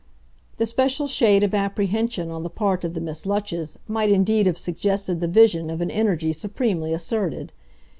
The special shade of apprehension on the part of the Miss Lutches might indeed have suggested the vision of an energy supremely asserted.